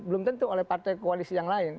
belum tentu oleh partai koalisi yang lain